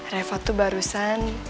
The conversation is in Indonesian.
reva tuh barusan